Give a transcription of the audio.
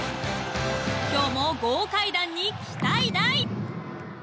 今日も豪快弾に期待大！